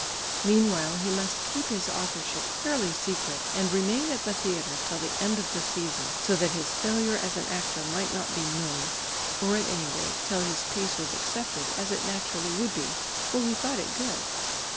Meanwhile he must keep his authorship fairly secret and remain at the theatre till the end of the season, so that his failure as an actor might not be known, or at any rate till his piece was accepted, as it naturally would be, for he thought it good.